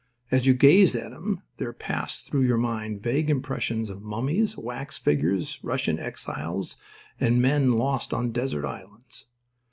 As you gazed at him there passed through your mind vague impressions of mummies, wax figures, Russian exiles, and men lost on desert islands.